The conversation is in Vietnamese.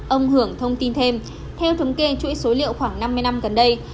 ông hưởng thông tin thêm theo thống kê chuỗi số liệu khoảng năm mươi năm gần đây